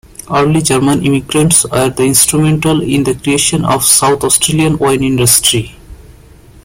Early German immigrants were instrumental in the creation of the South Australian wine industry.